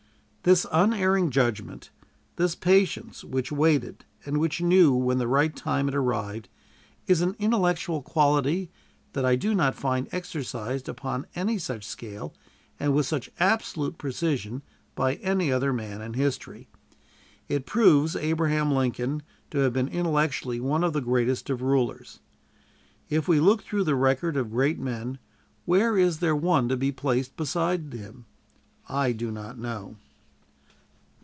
This unerring judgment, this patience which waited and which knew when the right time had arrived, is an intellectual quality that I do not find exercised upon any such scale and with such absolute precision by any other man in history. It proves Abraham Lincoln to have been intellectually one of the greatest of rulers. If we look through the record of great men, where is there one to be placed beside him? I do not know.